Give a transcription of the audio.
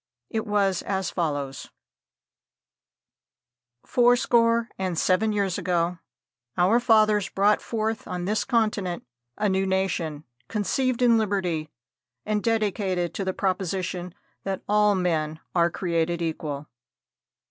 It was as follows: "Four score and seven years ago our fathers brought forth on this continent a new nation, conceived in Liberty, and dedicated to the proposition that all men are created equal.